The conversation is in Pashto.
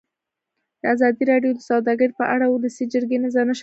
ازادي راډیو د سوداګري په اړه د ولسي جرګې نظرونه شریک کړي.